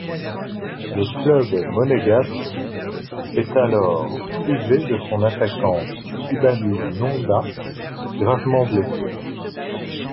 Le club monégasque est alors privé de son attaquant Shabani Nonda, gravement blessé.